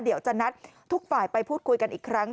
เดี๋ยวจะนัดทุกฝ่ายไปพูดคุยกันอีกครั้ง